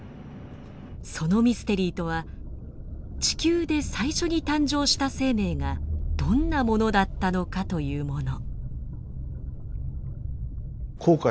そのミステリーとは地球で最初に誕生した生命がどんなものだったのかというもの。